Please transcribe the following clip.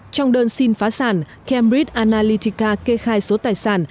trong đơn xin phá sản cambridg analytica kê khai số tài sản